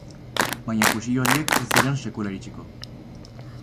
Baina fusil horiek ez ziren sekula iritsiko.